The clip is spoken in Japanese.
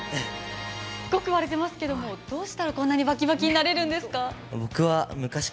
すっごく割れていますけどどうしたらこんなにバキバキになれるんですか？